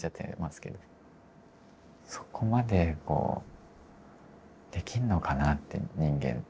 そこまでこうできるのかなって人間って。